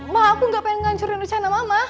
mah aku gak pengen ngancurin rencana mama